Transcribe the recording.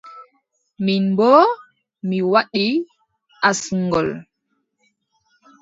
Min boo mi waɗi asngol.